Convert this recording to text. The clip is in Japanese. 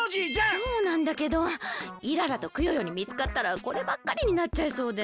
そうなんだけどイララとクヨヨにみつかったらこればっかりになっちゃいそうで。